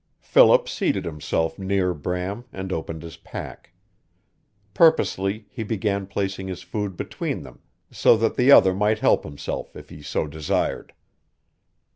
Philip seated himself near Bram and opened his pack. Purposely he began placing his food between them, so that the other might help himself if he so desired.